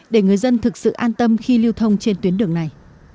để người dân thực sự an tâm khi lưu thông trên tuyến đường này